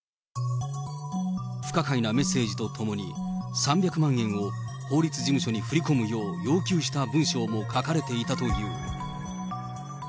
不可解なメッセージとともに、３００万円を法律事務所に振り込むよう要求した文章も書かれていたという。